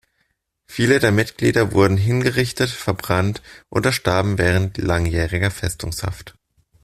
Viele der Mitglieder wurden hingerichtet, verbannt oder starben während langjähriger Festungshaft.